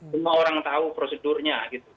semua orang tahu prosedurnya